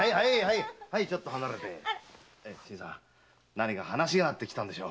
何か話があって来たんでしょ？